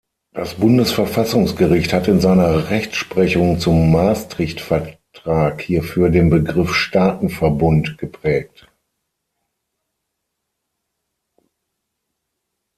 Das Bundesverfassungsgericht hat in seiner Rechtsprechung zum Maastricht-Vertrag hierfür den Begriff „Staatenverbund“ geprägt.